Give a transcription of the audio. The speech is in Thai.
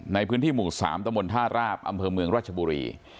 ในพื้นที่หมู่๓ตะบนท่าราบอำเภอเมืองราชบุรี